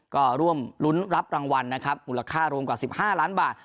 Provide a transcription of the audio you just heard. ก็ร่วมรุ้นรับรางวัลนะครับมูลค่ารวมกว่า๑๕ล้านบาท